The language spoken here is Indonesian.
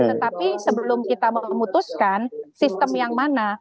tetapi sebelum kita memutuskan sistem yang mana